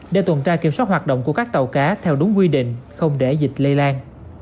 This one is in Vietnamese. để tuần tra kiểm soát hoạt động của các tàu cá theo đúng quy định không để dịch lây lan